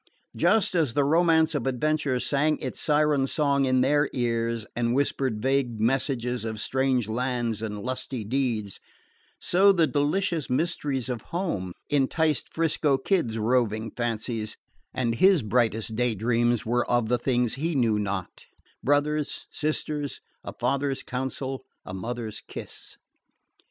Just as the romance of adventure sang its siren song in their ears and whispered vague messages of strange lands and lusty deeds, so the delicious mysteries of home enticed 'Frisco Kid's roving fancies, and his brightest day dreams were of the thing's he knew not brothers, sisters, a father's counsel, a mother's kiss.